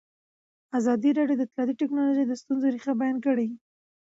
ازادي راډیو د اطلاعاتی تکنالوژي د ستونزو رېښه بیان کړې.